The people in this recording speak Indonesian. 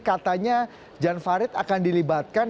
katanya jan farid akan dilibatkan